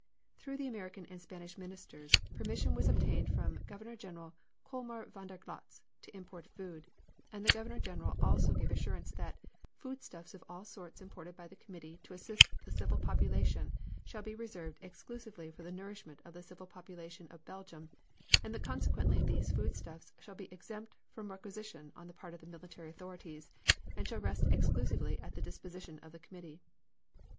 Through the American and Spanish ministers permission was obtained from Governor General Kolmar von der Goltz to import food, and the Governor General also gave assurance that, "Foodstuffs of all sorts imported by the committee to assist the civil population shall be reserved exclusively for the nourishment of the civil population of Belgium, and that consequently these foodstuffs shall be exempt from requisition on the part of the military authorities, and shall rest exclusively at the disposition of the committee."